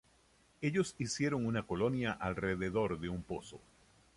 Ellos hicieron una colonia alrededor de un pozo.